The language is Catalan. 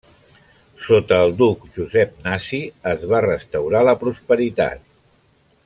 Sota el duc Josep Nasi es va restaurar la prosperitat.